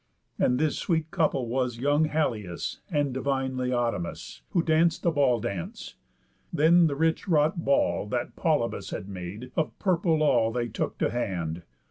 And this sweet couple was Young Halius, and divine Laodamas; Who danc'd a ball dance. Then the rich wrought ball, That Polybus had made, of purple all, They took to hand.